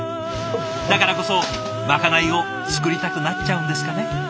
だからこそまかないを作りたくなっちゃうんですかね。